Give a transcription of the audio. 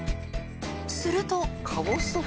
すると。